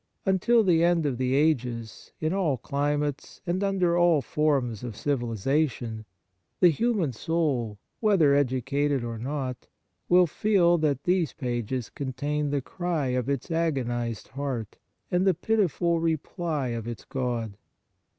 Until the end of the ages, in all climates and under all forms of civilization, the human soul, whether educated or not, will feel that these pages contain the cry of its agonized heart and the pitiful reply of its God.